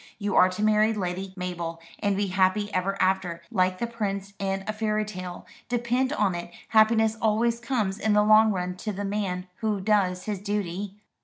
You are to marry Lady Mabel, and be happy ever after, like the prince in a fairy tale. Depend upon it, happiness always comes in the long run to the man who does his duty."